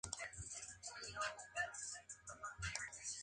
Khan es una de las celebridades más ricas y poderosas en la India.